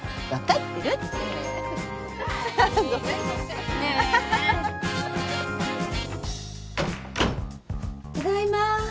ただいま。